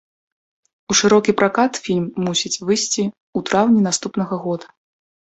У шырокі пракат фільм мусіць выйсці ў траўні наступнага года.